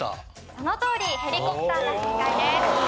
そのとおりヘリコプターが正解です。